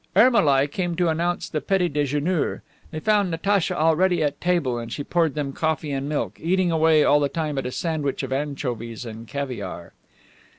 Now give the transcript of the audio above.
Ermolai came to announce the petit dejeuner. They found Natacha already at table and she poured them coffee and milk, eating away all the time at a sandwich of anchovies and caviare.